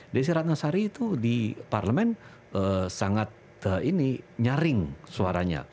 desi ratnasari itu di parlemen sangat ini nyaring suaranya